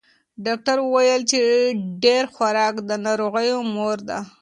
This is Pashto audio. ډاکتر ویل چې ډېر خوراک د ناروغیو مور ده.